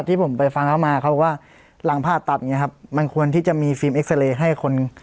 ที่ผมไปฟังเขามาเขาบอกว่าหลังผ่าตัดอย่างเงี้ครับมันควรที่จะมีฟิล์เอ็กซาเรย์ให้คน